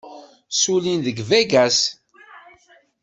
Ssullin deg Vegas.